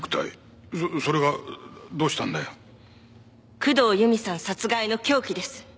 工藤由美さん殺害の凶器です。